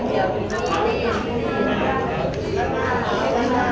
ขอบคุณค่ะพี่โฟสขอบคุณค่ะ